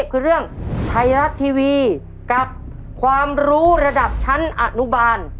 คือเรื่องไทยรัฐทีวีกับความรู้ระดับชั้นอนุบาล